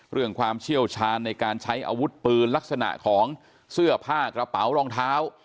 ความเชี่ยวชาญในการใช้อาวุธปืนลักษณะของเสื้อผ้ากระเป๋ารองเท้า